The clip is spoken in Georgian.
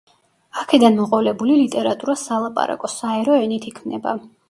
აქედან მოყოლებული ლიტერატურა სალაპარაკო, საერო ენით იქმნება.